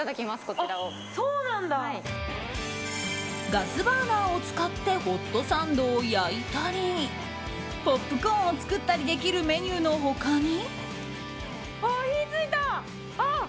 ガスバーナーを使ってホットサンドを焼いたりポップコーンを作ったりできるメニューの他に。